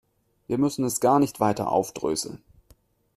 Wir müssen es gar nicht weiter aufdröseln.